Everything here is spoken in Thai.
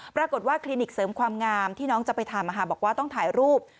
ปรากฏว่าคลินิกเสริมความงามที่น้องจะไปทำบอกว่าต้องถ่ายรูป